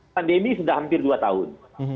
pandemi sudah hampir dua tahun